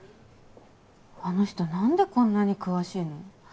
あの人何でこんなに詳しいの？